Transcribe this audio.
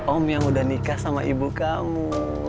om yang udah nikah sama ibu kamu